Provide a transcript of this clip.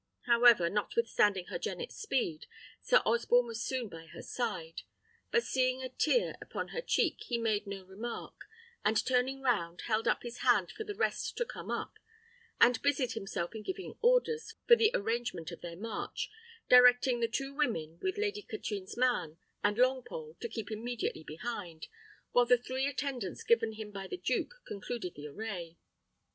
However, notwithstanding her jennet's speed, Sir Osborne was soon by her side; but seeing a tear upon her cheek, he made no remark, and turning round, held up his hand for the rest to come up, and busied himself in giving orders for the arrangement of their march, directing the two women, with Lady Katrine's man, and Longpole, to keep immediately behind, while the three attendants given him by the duke concluded the array.